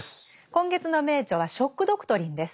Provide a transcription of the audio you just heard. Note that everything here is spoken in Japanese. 今月の名著は「ショック・ドクトリン」です。